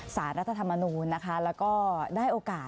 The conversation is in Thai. สารัฐธรรมนุมนะคะ